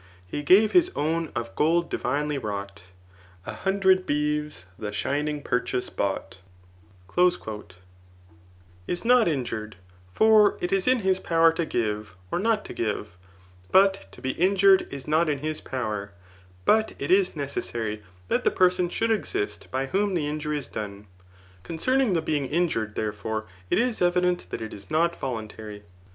He gave his own of gold divinelf wrought, A hundred beeves the shining purchase bought. Digitized by Google 184 THE KICOMACHEAK BOOK T* 5s not injurrf ; for it is in fai« power t6 give j^or not to give.] But to be injured is not in his power, but it is necessary that the person should exist by whom the injury is done. Concerning the being injured, there^ fore, it is evident that it is not voluntary.